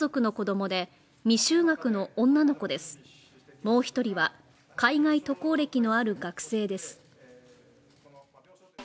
もう１人は、海外渡航歴のある学生です。